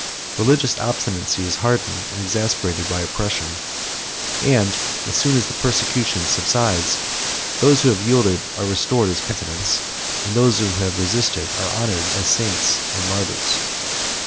Religious obstinacy is hardened and exasperated by oppression; and, as soon as the persecution subsides, those who have yielded are restored as penitents, and those who have resisted are honored as saints and martyrs.